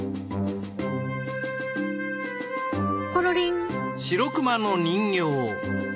ころりん。